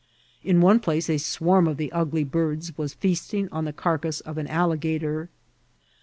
In one place a swarm of the ugly birds were feasting on the carcass of an alligator.